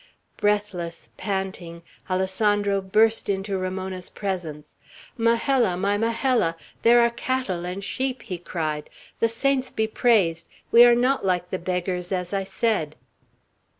Breathless, panting, Alessandro burst into Ramona's presence. "Majella! my Majella! There are cattle and sheep," he cried. "The saints be praised! We are not like the beggars, as I said."